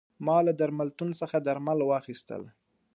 ما له درملتون څخه درمل واخیستل.